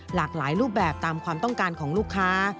หลากหลายรูปแบบตามความต้องการของลูกค้า